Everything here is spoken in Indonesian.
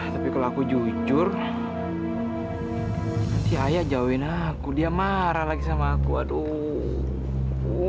tapi kalau aku jujur si ayah jauhin aku dia marah lagi sama aku aduh